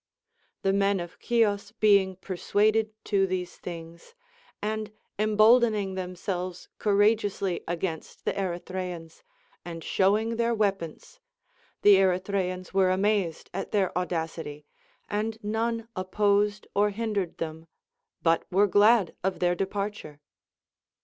The men of Chios being persuaded to these things, and emboldening themselves courageously against the Erythraeans, and showing their weapons, the Ery thraeans were amazed at their audacity, and none opposed or hindered them, but were glad of their departure.